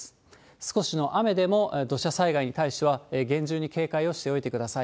少しの雨でも土砂災害に対しては、厳重に警戒をしておいてください。